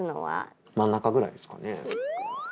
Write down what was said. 真ん中ぐらいですかね？